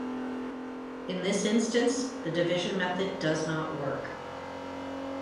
In this instance, the division method does not work.